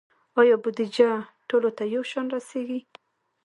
آیا بودیجه ټولو ته یو شان رسیږي؟